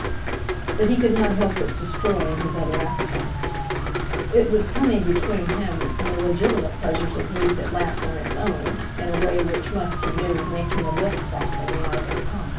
But he could not help its destroying his other appetites. It was coming between him and the legitimate pleasures of youth at last on its own in a way which must, he knew, make him a milksop in the eyes of Crum.